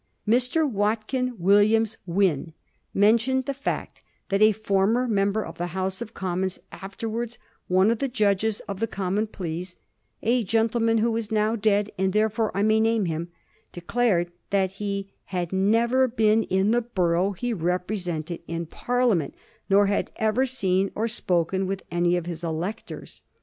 Mr. Watkin Will iams Wynn mentioned the fact that a former member of the House of Commons, afterwards one of the judges of the Common Pleas, ^^ a gentleman who is now dead, and therefore I may name him," declared that he '^ had never been in the borough he represented in Parliament, nor had ever seen or spoken with any of his electors."